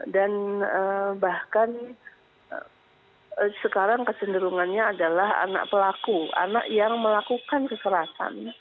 dan bahkan sekarang kesenderungannya adalah anak pelaku anak yang melakukan kekerasan